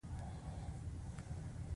هغې وویل: له یو ګړی راهیسې مې دردونه کېږي.